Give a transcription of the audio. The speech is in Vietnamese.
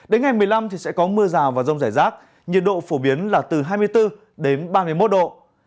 đến ngày một mươi năm sẽ có mưa rào và rông rải rác nhiệt độ phổ biến là từ hai mươi bốn đến ba mươi một độ